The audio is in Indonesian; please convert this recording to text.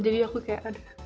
jadi aku kayak aduh